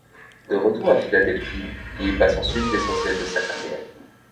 De retour à Philadelphie, il y passe ensuite l'essentiel de sa carrière.